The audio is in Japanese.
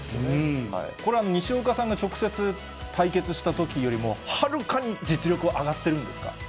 これは西岡さんが直接対決したときよりも、はるかに実力は上がっているんですか？